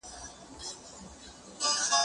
زه پرون اوبه پاکې کړې